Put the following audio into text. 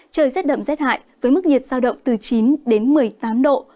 trời rét đậm rét hại với mức nhiệt giao động từ chín đến một mươi tám độ